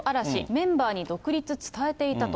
メンバーに独立伝えていたと。